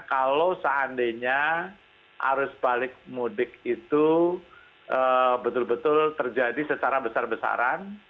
kalau seandainya arus balik mudik itu betul betul terjadi secara besar besaran